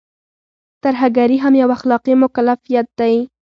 ترهګري هم يو اخلاقي مکلفيت لري.